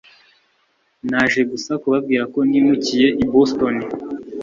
naje gusa kubabwira ko nimukiye i boston